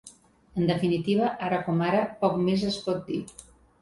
En definitiva, ara com ara, poc més es pot dir.